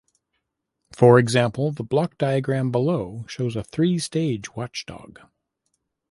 For example, the block diagram below shows a three-stage watchdog.